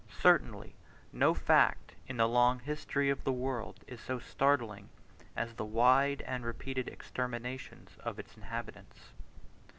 Certainly, no fact in the long history of the world is so startling as the wide and repeated exterminations of its inhabitants.